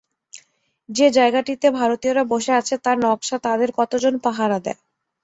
যে জায়গাটিতে ভারতীয়রা বসে আছে তার নকশা তাদের কতজন পাহারা দেয়?